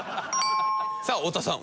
さあ太田さん